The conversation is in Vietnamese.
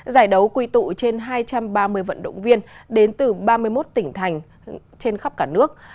giải đấu quy tụ trên hai trăm ba mươi vận động viên đến từ ba mươi một tỉnh thành trên khắp cả nước